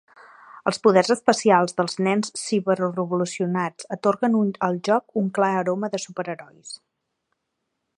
Els poders especials dels nens ciberevolucionats atorguen al joc un clar aroma de superherois.